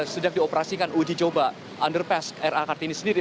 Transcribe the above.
sejak dioperasikan uji coba underpass ra kartini sendiri